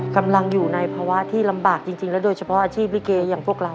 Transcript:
กำลังอยู่ในภาวะที่ลำบากจริงแล้วโดยเฉพาะอาชีพลิเกอย่างพวกเรา